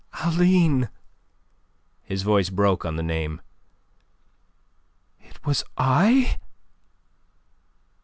Aline!" His voice broke on the name. "It was I..."